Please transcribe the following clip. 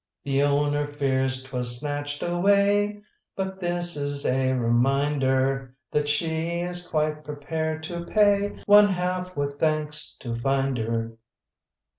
"The owner fears 'twas snatched away, But this is a reminder, That she is quite prepared to pay One half, with thanks, to finder."